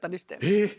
えっ！